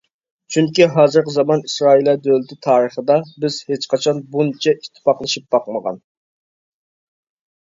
چۈنكى ھازىرقى زامان ئىسرائىلىيە دۆلىتى تارىخىدا، بىز ھېچقاچان بۇنچە ئىتتىپاقلىشىپ باقمىغان.